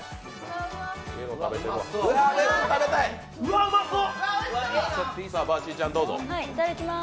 うわっ、うまそう！